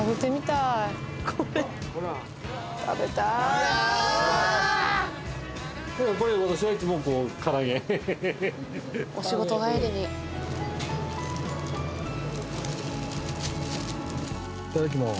いただきます。